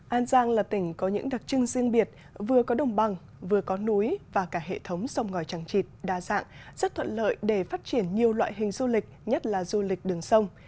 an giang là tỉnh có những đặc trưng riêng biệt vừa có đồng bằng vừa có núi và cả hệ thống sông ngòi trăng trịt đa dạng rất thuận lợi để phát triển nhiều loại hình du lịch nhất là du lịch đường sông